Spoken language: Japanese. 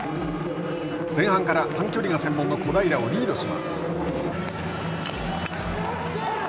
前半から短距離が専門の小平をリードします。